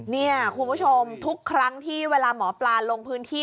นี่คุณผู้ชมทุกครั้งที่เวลาหมอปลาลงพื้นที่